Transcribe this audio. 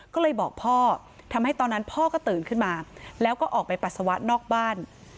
ก็เลยบอกพ่อทำให้ตอนนั้นพ่อก็ตื่นขึ้นมาแล้วก็ออกไปปัสสาวะนอกบ้าน